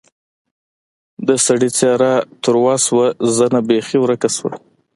د سړي څېره تروه شوه زنه بېخي ورکه شوه.